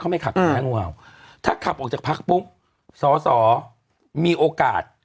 ไม่ขับใช่ไหมงูเห่าถ้าขับออกจากพักปุ๊บสอสอมีโอกาส